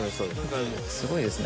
すごいですね！